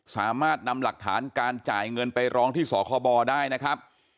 สามารถนำหลักฐานการจ่ายเงินไปร้องที่สคบได้นะครับ